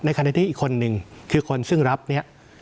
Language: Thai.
ขณะที่อีกคนนึงคือคนซึ่งรับเนี่ย